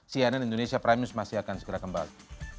cnn indonesia prime news masih akan segera kembali